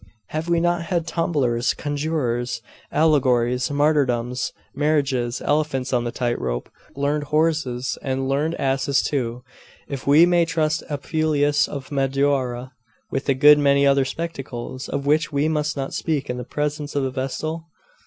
Have we not had tumblers, conjurers, allegories, martyrdoms, marriages, elephants on the tight rope, learned horses, and learned asses too, if we may trust Apuleius of Madaura; with a good many other spectacles of which we must not speak in the presence of a vestal?